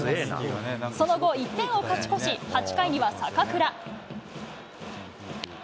その後、１点を勝ち越し、８回には坂倉。